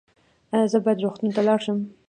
ایا زه باید روغتون ته لاړ شم؟